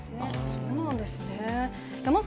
そうなんですね。